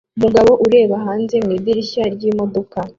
Umugabo ureba hanze mu idirishya ryimodoka